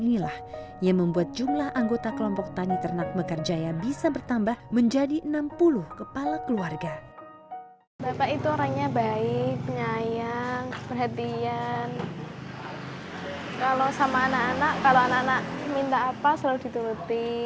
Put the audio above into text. kalau sama anak anak kalau anak anak minta apa selalu dituruti